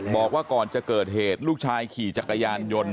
บอกว่าก่อนจะเกิดเหตุลูกชายขี่จักรยานยนต์